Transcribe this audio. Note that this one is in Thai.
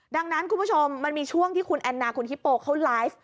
ดังนั้นคุณผู้ชมมันมีช่วงที่คุณแอนนาคุณฮิปโปเขาไลฟ์